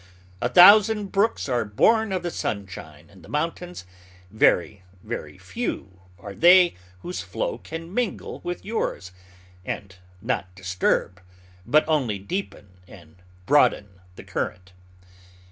A thousand brooks are born of the sunshine and the mountains: very, very few are they whose flow can mingle with yours, and not disturb, but only deepen and broaden the current.